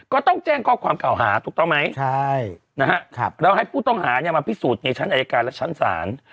ก็ต้องแจ้งข้อความเก่าหาถูกต้องไหมแล้วให้ผู้ต้องหามาพิสูจน์ในชั้นอายการและชั้นศาล